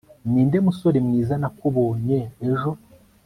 ninde musore mwiza nakubonye ejo